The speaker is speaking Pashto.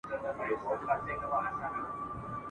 ملا دي وینم چی کږه ده له بارونو ..